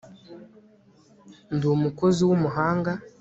ndi umukozi wumuhanga